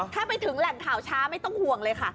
ถ้าไปถึงแหล่งข่าวช้าไม่ต้องห่วงเลยค่ะ